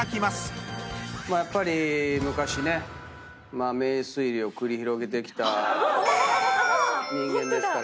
まあやっぱり昔ね名推理を繰り広げてきた人間ですから。